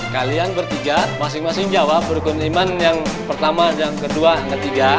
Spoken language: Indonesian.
kalian bertiga masing masing jawab berkumpul iman yang pertama yang kedua ketiga